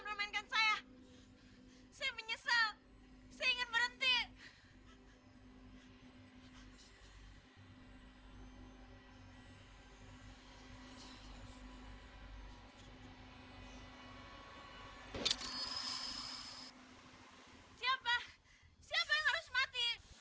jalan kung jalan se di sini ada pesta besar besaran